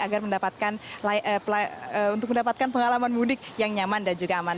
agar untuk mendapatkan pengalaman mudik yang nyaman dan juga aman